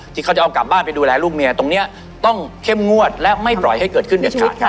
ที่เขาจะเอากลับบ้านไปดูแลลูกเมียตรงนี้ต้องเข้มงวดและไม่ปล่อยให้เกิดขึ้นเด็ดขาด